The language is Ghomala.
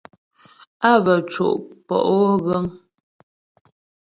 Á bə́ co' pɔ'o ghəŋ.